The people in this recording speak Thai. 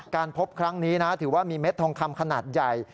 การพบครั้งนี้นะถือว่ามีเม็ดทองคำขนาดใหญ่